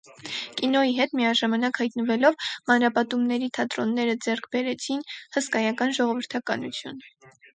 Կինոյի հետ միաժամանակ հայտնվելով ՝ մանրապատումների թատրոնները ձեռք բերեցին հսկայական ժողովրդականություն։